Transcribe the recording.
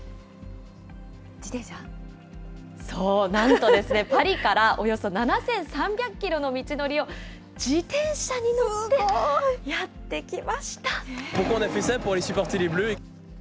そう、なんとですね、パリからおよそ７３００キロの道のりを、自転車に乗ってやって来ました。